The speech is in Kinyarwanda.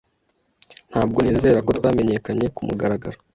Ntabwo nizera ko twamenyekanye kumugaragaro.